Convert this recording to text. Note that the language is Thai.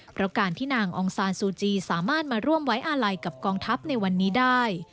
เพราะการที่นางองซานซูจีสามารถมาร่วมไว้อาลัยกับกองทัพในวันนี้ได้